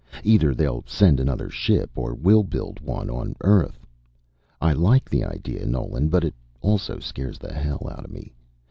Either they'll send another ship or we'll build one on Earth. I like the idea, Nolan, but it also scares the hell out of me.